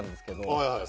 はいはい。